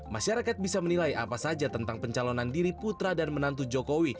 masyarakat bisa menilai apa saja tentang pencalonan diri putra dan menantu jokowi